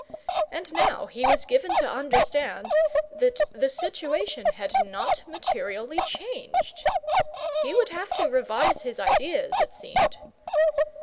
And now he was given to understand that the situation had not materially changed! He would have to revise his ideas, it seemed.